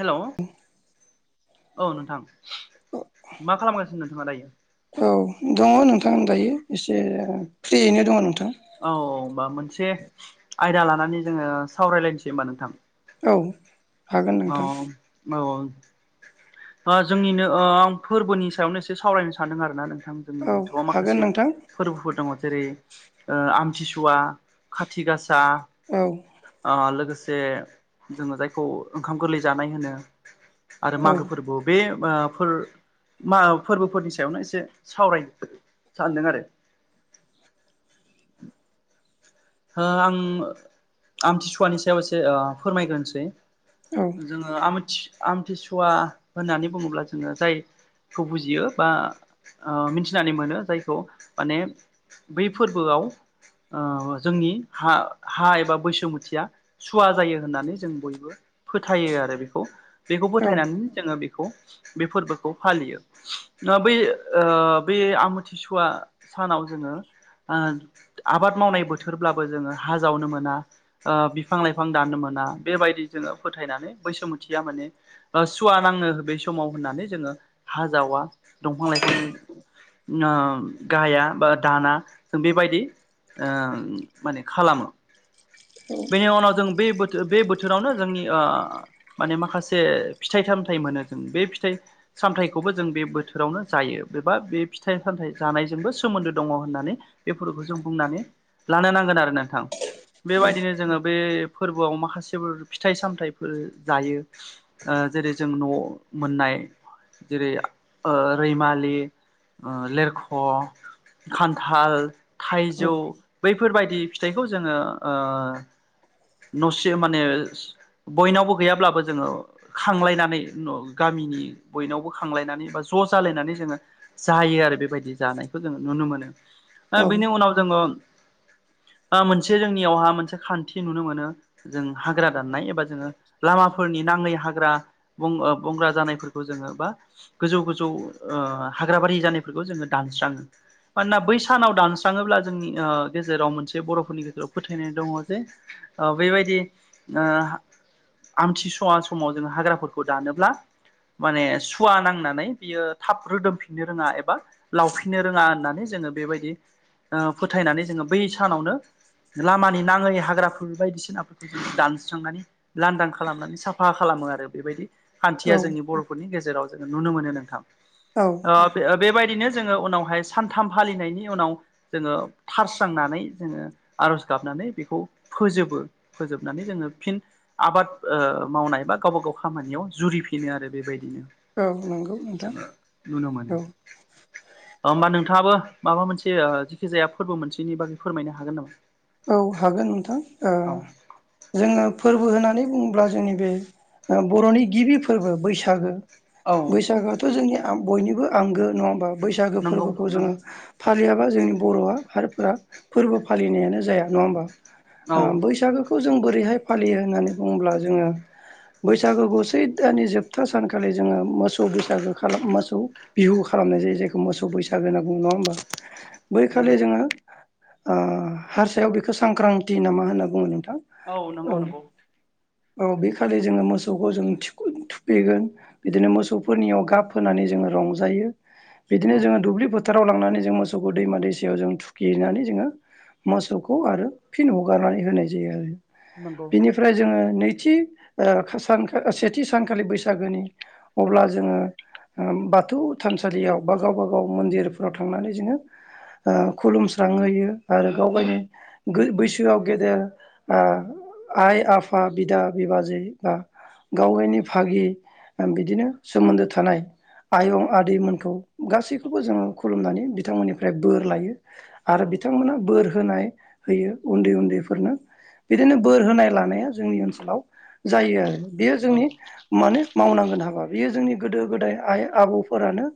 हेल' औ नोंथां मा खालामगासिनो नोंथाङा दायो औ दङ नोंथां दायो एसे फ्रियैनो दङ नोंथांा औ औ होनबा मोनसे आयदा लानानै जोङो सावरायलायनोसै होनबा नोंथां औ हागोन नोंथां औ औ जोंनिनो आं फोरबोनि सायावनो एसे सावरायनो सानदों आरो ना नोंथां जोंनि औ नोंथां हागोन माखासे नोंथां फोरबोफोर दङ जेरै आमथिसुवा खाथि गासा औ लोगोसे जोङो जायखौ ओंखाम गोरलै जानाय होनो आरो औ मागो फोरबोआव बे मा फोरबोफोरनि सायावनो एसे सावराय सानदों आरो आं आमथिसुवानि सायाव एसे फोरमायग्रोनोसै औ जोङो आमथि आमथिसुवा होननानै बुङोब्ला जोङो जाय खौ बुजियो बा मिथिनानै मोनो जायखौ माने बै फोरबोआव जोंनि हा हा एबा बैसुमुथिया सुवा जायो होननानै जों बयबो फोथायो आरो बिखौ बेखौ औ फोथायनानै जोङो बेखौ बे फोर्बोखौ फालियो। ना बै ओ बे आमोथिसुवा सानाव जोङो ओं आबाद मावनाय बोथोरब्लाबो जोङो हा जावनो मोना। ओ बिफां लाइफां दाननो मोना बेबायदि जोङो फोथायनानै बैसुमुथिया माने ओ सुवा नाङो बे समाव होननानै जोङो हा जावा दंफां लाइफां नो गाया बा दाना जों बेबायदि ओ माने खालामो। बेनि उनाव जों बे बोथो बे बोथोरावनो जोंनि ओ माने माखासे फिथाइ सामथाइ मोनो जों बे फिथाइ सामथायाइखौबो जों बे बोथोरावनो जायो बेबा बे फिथाइ सामथाइ जानायजोंबो सोमोन्दो दङ होननानै बेफोरखौ जों बुंनानै लानो नांगोन आरो नोंथां औ बेबायदिनो जोङो बे फोर्बोआव माखासेफोर फिथाइ सामथाइफोर जायो। ओ जेरै जों न'आव मोननाय जेरै ओ रैमालि ओ लेरख' खान्थाल थाइजौ बैफोरबायदि फिथाइखौ जोङो ओ न'से माने बयनावबो गैयाब्लाबो जोङो खांलायनानै न' गामिनि बयनावबो खांलायनानै बा ज' जालायनानै जोङो जायो आरो बेबायदि जानायखौ जोङो नुनो मोनो। ओ औ बिनि उनाव जोङो ओ मोनसे जोंनियावहा मोनसे खान्थि नुनो मोनो जों हाग्रा दाननाय एबा जोङो लामाफोरनि नाङै हाग्रा बं ओ बंग्रा जानायफोरखौ जोङो बा गोजौ गोजौ ओ हाग्राबारि जानायफोरखौ जोङो दानस्राङो। मानोना बै सानाव दानस्राङोब्ला जोंनि ओ गेजेराव मोनसे बर'फोरनि गेजेराव फोथायनाय दङ जे औ बेबायदि ओ आमथिसुवा समाव जोङो हाग्राफोरखौ दानोब्ला माने सुवा नांनानै बियो थाब रोदोमफि फिनो रोङा एबा लावफिननो रोङा होननानै जोङो बेबायदि ओ फोथायनानै जोङो बै सानावनो लामानि नाङै हाग्रा फोर बायदिसिनाफोरखौ जों दानस्रांनानै लांदां खालामनानै साफा खालामो आरो बेबायदि खान्थिया औ जोंनि बर'फोरनि गेजेराव जोङो नुनो मोनो नोंथां। औ ओ बे ओ बेबायदिनो जोङो उनावहाय सानथाम फालिनायनि उनाव जोङो थारस्रांनानै जोङो आर'ज गाबनानै बेखौ फोजोबो फोजोबनानै जोङो फिन आबाद ओ मावनाय बा गावबा गाव खामानियाव जुरिफिनो आरो बेबायदिनो। औ नंगौ [inaudible] नोंथां जोङो नुनो मोनो। औ [inaudible] ओमबा नोंथाङाबो माबा मोनसे ओ जिखि जाया फोर्बो मोनसेनि बागै फोरमायनो हागोन नामा? औ हागोन नोंथां ओ औ जोङो फोरबो होननानै बुङोब्ला जोंनि बे ओ बर'नि गिबि फोर्बो बैसागो औ बैसागोआथ' जोंनि आ बयनिबो आंगो नङा होमबा बैसागो नंगौ फोर्बोखौ जोङो नंगौ फालियाबा जोंनि बर'आ हारफोरा फोर्बो फालिनायानो जाया नङा होमबा औ ओ बैसागोखौ जों बोरैहाय फालियो होननानै बुङोब्ला जोङो बैसागोखौ सैथ दाननि जोबथा सानखालि जोङो मोसौ बैसागो खालाम मोसौ बिहु खालामनाय जायो जायखौ मोसौ बैसागो होनना बुङो नङा होमबा? बैखालि नंगौ जोङो ओ हारसायाव बैखौ सांक्रांति ना मा होनना बुङो नोंथां? औ नंगौ नंगौ। औ बेखालि जोङो मोसौखौ जोङो थिखुन थुखैगोन बिदिनो मोसौफोरनियाव गाब होनानै जोङो रंजायो। बिदिनो औ जोङो दुब्लि फोथाराव लांनानै जों मोसौखौ दैमा दैसायाव जों थुखैनानै जोङो मोसौखौ आरो फिन हगारनानै होनाय जायो आरो। नंगौ। बिनिफ्राय जोङो नैथि ओ खासानखो ओ सेथि सानखालि बैसागोनि अब्ला जोङो उम बाथौ थानसालियाव बा गावबा गाव मन्दिरफोराव थांनानै जोङो ओ खुलुमस्रांहोयो आरो गाव गायनि गोर बैसोआव गेदेर ओ आइ आफा बिदा बिबाजै बा गावगायनि फागि ओ बिदिनो सोमोन्दो थानाय आयं आदैमोनखौ गासैखौबो जोङो खुलुमनानै बिथांमोननिफ्राय बोर लायो। औ आरो बिथांमोना बोर फाय होयो उन्दै उन्दैफोरनो बिदिनो बोर होनाय लानाया जोंनि ओनसोलाव जायो आरो। बेयो जोंनि माने मावनांगोन हाबा बियो जोंनि गोदो गोदाय आइ आबौफोरानो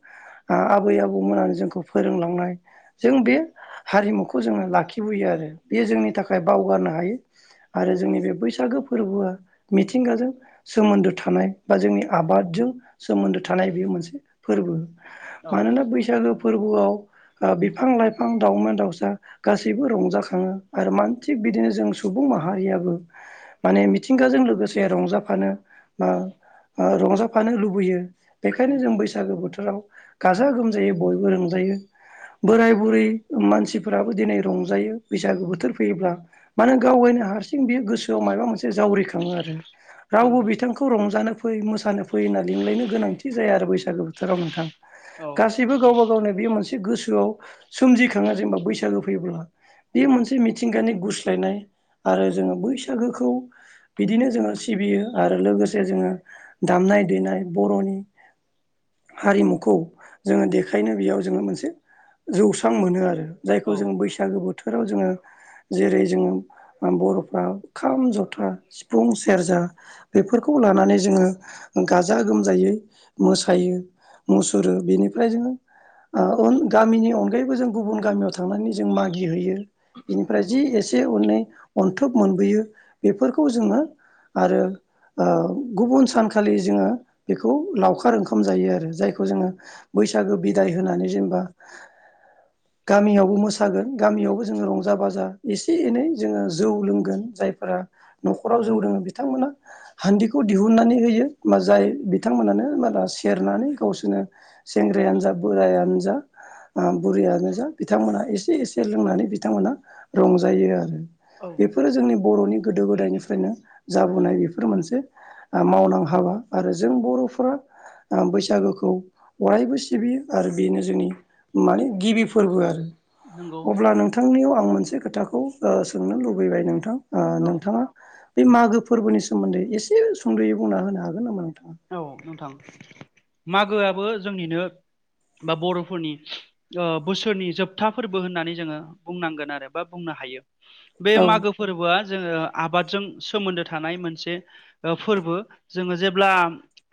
आबै आबौमोननानै जोंखौ फोरोंलांनाय। जों बे हारिमुखौ जोङो लाखि फैयो आरो। बेयो जोंनि थाखाय बावगारनो हायै आरो जोंनि बे बैसागो फोरबोआ मिथिंगाजों सोमोन्दो थानाय बा जोंनि आबादजों सोमोन्दो थानाय बेयो मोनसे फोरबो‌। औ मानोना बैसागु फोरबोआव ओ बिफां लाइफां दाउमा दाउसा गासै रंजाखाङो आरो मान थिग बिदिनो जों सुबुं माहारियाबो माने मिथिंगाजों लोगोसे रंजाफानो ओ ओ रंजाफानो लुबैयो। बेखायनो नंगौ जों बैसागो बोथोराव गाजा गोमजायै बयबो रंजायो। बोराय बुरै मानसिफोराबो दिनै रंजायो बैसागो बोथोर फैयोब्ला। मानो गाव गायनो हारसिं बेयो गोसोआव माबा मोनसे जावरिखाङो आरो। रावबो नंगौ बिथांखौ रंजानो फै मोसानो फैयो होनना लिंलायनो गोनांथि जाया आरो बैसागो बोथोराव नोंथां। औ गासैबो गावबा गावनो बेयो मोनसे गोसोआव सोमजिखाङो जेनेबा बैसागो फो फैयोब्ला बियो नंगौ मोनसे मिथिंगानि गुस्लायनाय आरो जोङो बैसागोखौ बिदिनो जोङो सिबियो आरो लोगोसे जोङो दामनाय देनाय बर'नि हारिमुखौ जोङो देखायनो बेयाव जोङो मोनसे जौस्रां मोनो आरो। जाय खौ औ जोंङो बैसागो बोथोराव जोङो जेरै जोङो ओ बर'फ्रा खाम जथा सिफुं सेरजा बेफोरखौ लानानै जोङो गाजा गोमजायै मोसायो। मुसुरो बिनिफ्राय जोङो ओ उम गामिनि अनगायैबो जों गुबुन गामियाव थांनानै जों मागि हैयो बेनिफ्राय नंगौ जि एसे एनै अन्थोब मोनबोयो बेफोरखौ जोङो आरो ओ गुबुन सानखालि जोङो बेखौ लावखार ओंखाम जायो आरो। जायखौ जोङो बैसागो बिदाय होनानै जेनेबा गामियाव बो मोसागोन गामियावबो जोङो रंजा बाजा एसे एनै जोङो जौ लोंगोन जायफोरा न'खराव जौ लोङो बिथांमोना हान्दिखौ दिहुननानै होयो मा जाय बिथांमोना‍नो सेरनानै गावसोरनो सेंग्रायानो जा बोरायानो जा ओ बुरियानो जा बिथांमोना एसे एसे लोंनानै बिथांमोना रंजायो आरो औ बेफोरो जोंनि बर'नि गोदो गोदायनिफ्रायनो जाबोनाय बेफोर मोनसे ओ मावनां हाबा आरो जों बर'फोरा ओ बैसागोखौ अरायबो सिबियो आरो बेनो जोंनि माने गिबि फोरबो। आरो नंगौ अब्ला नोंथांनियाव आं मोनसे खोथाखौ ओ सोंनो लुबैबाय नोंथां। ओ औ नोंथाङा बे मागो फोरबोनि सोमोन्दै एसे सुंद'यै बुंना होनो हागोन नामा नोंथां? औ नोंथां मागोआबो जोंनिनो बा बर'फोरनि ओ बोसोरनि जोबथा फोरबो होननानै जोङो बुंनांगोन आरो बा बुंनो हायो। बे औ मागो फोरबोआ जोङो आबादजों सोमोन्दो थानाय मोनसे फोरबो जोङो जेब्ला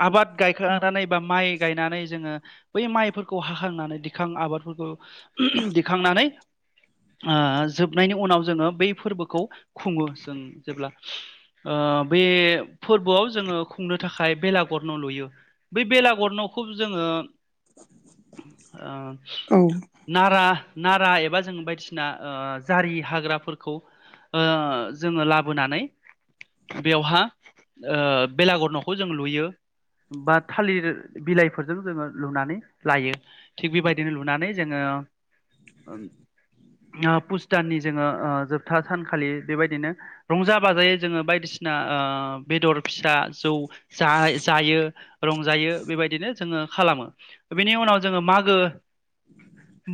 आबाद गायखांनानै बा माइ गायनानै जोङो बै माइफोरखौ हाखांनानै दिखां आबादफोरखौ दिखांनानै आ जोबनायनि उनाव जोङो बै फोरबोखौ खुङो। जों जेब्ला ओ बे फोरबोआव जोङो खुंनो थाखाय बेला गुर न' लुयो बेै बेलागुर न'खौ जोङो आम औ नारा नारा एबा जों बायदिसिना ओ जारि हाग्राफोरखौ ओ जोङो लाबोनानै बेवहा ओ बेलागर न'खौ जों लुयो। बा थालिर बिलाइफोरजों जोङो लुनानै लायो। थिग बेबायदिनो लुनानै जोङो ओम ओ पुस दाननि जोङो ओ जोबथा सानखालि बेबायदिनो रंजा बाजायै जोङो बायदिसिना ओ बेदर फिसा जौ जा जायो रंजायो बेबायदिनो जोङो खालामो। बेनि उनाव जोङो मागो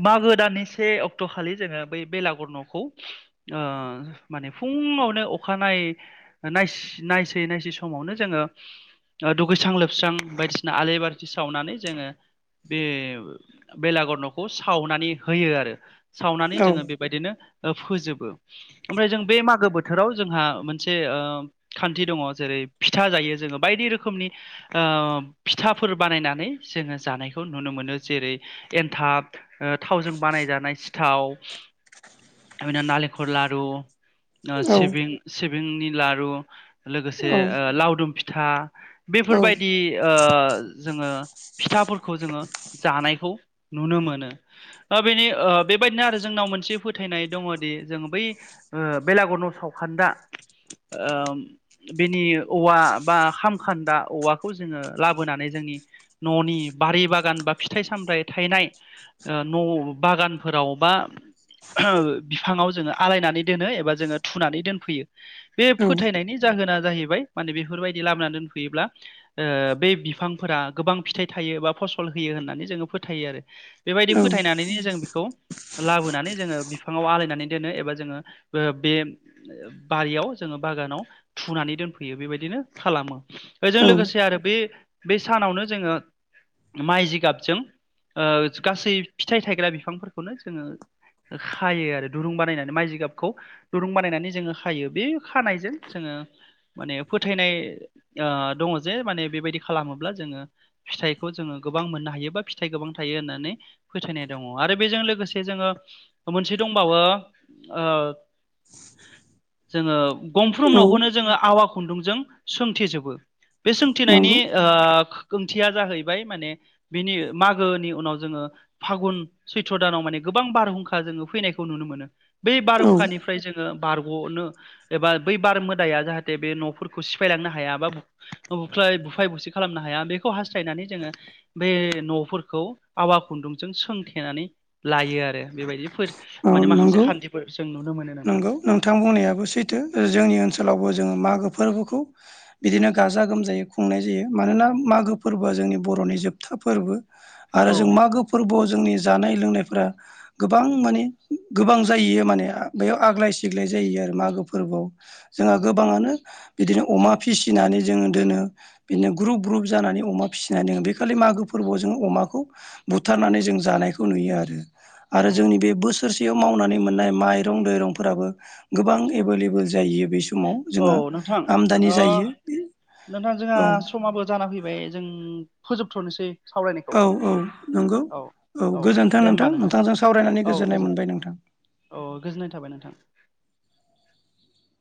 मागो दाननि से अक्ट'खालि जोङो बै बेलागुर न'खौ ओ माने फुङावनो अखानाय नायस नायसै समावनो जोङो ओ दुगैस्रां लोबस्रां बायदिसिना आल बारिथि सावनानै जोङो बे बेलागर न'खौ सावनानै होयो आरो सावनानै औ जोङो बे बादिनो ओ फोजोबो ओमफ्राय जों बे मागो बोथोराव जोंहा मोनसे ओ खान्थि दङ जेरै फिथा जायो जोङो बायदि रोय खोमनि ओ फिथाफोर बानायनानै जोङो जानायखौ नुनो मोनो जेरै एन्थाब थावजों बानायजानाय सिथाव आ नारेंखल लारु। औ सिबिं सिबिंनि लारु लोगोसे औ लावदुम फिथा। बेफोरबायदि ओ जोङो फिथाफोरखौ जोङो जानायखौ नुनो मोनो। ओ बेदि ओ बेबायदिनो आरो जोंनाव मोनसे फोथायनाय दङदि जोंङो बै ओ बेलागर न' सावखान्दा ओ बिनि औवा बा खाम खान्दा औवाखौ जोङो लाबोनानै जोंनि न'नि बारि बागान बा फिथाइ सामथाइ थायनाय ओ न' बागानफोराव बा ओह बिफाङाव जोङो आलायनानै दोनो एबा जोङो थुनानै दोनफैयो। बे फोथायनायनि जाहोना जाहैबाय माने बेफोरबायदि लाबोना दोनफैयोब्ला ओ बे बिफांफोरा गोबां फिथाइ थायो बा फसल होयो होननानै जोङो फोथायो आरो। बेबायदि औ फोथायनानैनो जों बेखौ लाबोनानै जोङो बिफाङाव आलायनानै दोनो एबा जोङो बो बे बारियाव जोङो बागानाव थुनानै दोनफैयो बेबायदिनो खालामो। बेजों औ लोगोसे आरो बे बे सानावनो जोङो माइ जिगाबजों ओ गासै फिथाइ थायग्रा बिफांफोरखौनो जोङो खायो आरो दुरुं बानायनानै माइ जि गाबखौ। दुरुं बानायनानै जोङो खायो बे खानायजों जोङो माने फोथायनाय ओ दङ जे माने बेबायदि खालामोब्ला जोङो फिथाइखौ जोङो गोबां मोननो हायो बा फिथाइ गोबां थायो होननानै। फोथायनाय दङ। आरो बेजों लोगोसे जोङो मोनसे दंबावो ओ जोङो गंफ्रोम औ न'खौनो जोङो आवा खुन्दुंजों सोंथिजोबो बे सोंथिनायनि नंगौ ओ ओंथिया जाहैबाय माने बिनि मागोनि उनाव जोङो फागुन सैथ्र दानाव माने गोबां बारहुंखा जोङो फैनायखौ नुनो मोनो बै औ बारहुंखानि फ्राय जोङो बारग'नो एबा बै बार मोदाया जाहाथे बे न'फोरखौ सिफायलांनो हाया बा बुफ्लाय बुफाय बुसि खालामनो हाया। बेखौ हास्थायनानै जोङो बे न'फोरखौ आववा खुन्दुंजों सोंथेनानै लायो आरो बेबायदि। औ माने माखासे नंगौ खान्थिफोर जों नुनो मोनो नोंथां। नंगौ नोंथां औ बुंनायाबो सैथो जोंनि ओनसोलावबो जोंङो मागो फोरबोखौ। बिदिनो गाजा गोमजायै खुंनाय जायो। मानोना मागो फोरबोआ जोंनि बर'नि जोबथा फोरबो। आरो औ जों मागो फोरबोआव जोंनि जानाय लोंनायफोरा गोबां माने। गोबां जाहैयो माने बेयाव आग्लाय सिग्लाय जाहयो आरो मागो फोरबोआव। जोंहा उम, गोबांङानो बिदिनो अमा फिसिनानै जोंङो दोनो। बिदिनो ग्रुप ग्रुप जानानै अमा फिसिनानै दोंङो बे खालि मागो फोरबोआव जोंङो अमाखौ। बुथारनानै जों जानायखौ नुयो आरो औ आरो जोंनि बे बोसोर। सोरसेयाव मावनानै मोननाय माइरं दैरंफोराबो गोबां एभेलेबोेल जायो बेस। समाव जोंहा औ नोंथां आमदानि ओ जायो बे नोंथां जोंहा औ। समाबो जाना फैबाय जों फोजोबथ'नोसै। सावरायनायखौ औ औ नंगौ औ गोजोनथों नोंथां नोंथांजों सावरायनानै गोजोननाय मोनबाय नोंथां। अ गोजोननाय थाबाय नोंथां।